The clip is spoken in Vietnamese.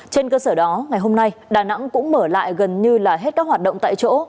trên cơ sở đó ngày hôm nay đà nẵng cũng mở lại gần như là hết các hoạt động tại chỗ